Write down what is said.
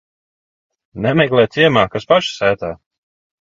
Nemeklē ciemā, kas paša sētā.